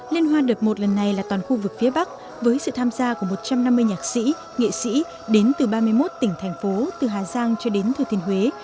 liên hoan đợt một lần này là toàn khu vực phía bắc với sự tham gia của một trăm năm mươi nhạc sĩ nghệ sĩ đến từ ba mươi một tỉnh thành phố từ hà giang cho đến thừa thiên huế